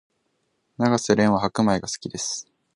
永瀬廉は白米が好きです